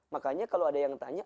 makanya kalau ada yang tanya